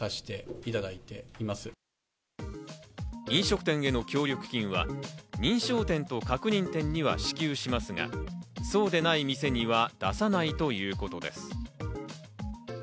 飲食店への協力金は認証店と確認店には支給しますが、そうでない店には出さないということです。